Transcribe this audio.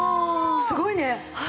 すごいね！